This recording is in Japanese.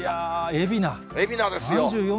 海老名ですよ。